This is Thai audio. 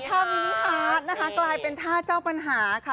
ท่ามินิฮาร์ดนะคะกลายเป็นท่าเจ้าปัญหาค่ะ